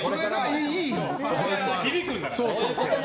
響くんだから。